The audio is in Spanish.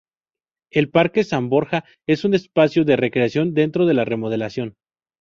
El parque San Borja es un espacio de recreación dentro de la Remodelación.